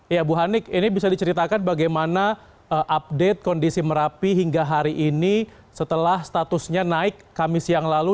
ya bu hanik ini bisa diceritakan bagaimana update kondisi merapi hingga hari ini setelah statusnya naik kamis yang lalu